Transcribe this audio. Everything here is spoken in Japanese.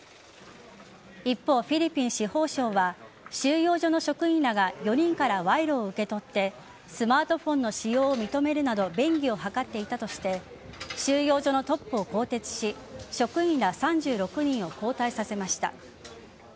一方、フィリピン司法省は収容所の職員らが４人から賄賂を受け取ってスマートフォンの使用を認めるなど便宜を図っていたとして収容所のトップを更迭し職員ら３６人を交代させました。